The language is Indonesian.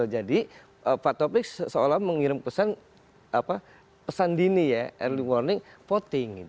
pak topik seolah mengirim pesan dini ya early warning voting